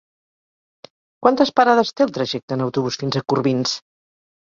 Quantes parades té el trajecte en autobús fins a Corbins?